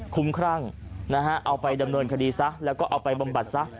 คุ้มครั่งนะฮะเอาไปดำเนินคดีซะแล้วก็เอาไปบำบัดซะ